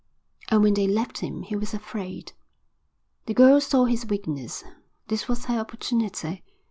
And when they left him he was afraid. The girl saw his weakness. This was her opportunity.